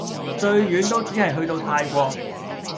最遠都只係去到泰國